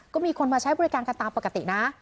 ก็มีคนมาใช้บริการกันตามปกตินะ